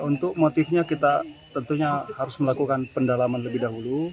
untuk motifnya kita tentunya harus melakukan pendalaman lebih dahulu